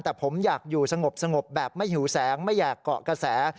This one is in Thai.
แต่ผมอยากอยู่สงบแบบไม่หิวแสงไม่อยากเกาะกระแส